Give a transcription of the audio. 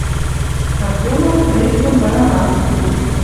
Артемов пред дон вара Васли